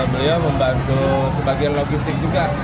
beliau membantu sebagian logistik juga